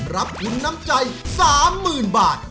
รับทุนน้ำใจ๓๐๐๐บาท